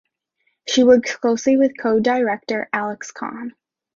She works closely with co-director Alex Kahn.